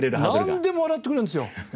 なんでも笑ってくれるんですよ。